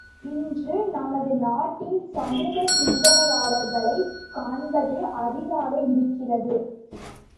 இன்று நமது நாட்டில் சமூகச் சிந்தனையாளர்களைக் காண்பதே அரிதாக இருக்கிறது.